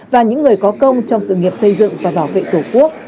và những người có công trong sự nghiệp xây dựng và bảo vệ tổ quốc